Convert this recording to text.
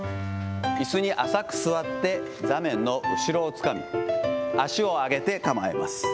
いすに浅く座って、座面の後ろをつかみ、足を上げて構えます。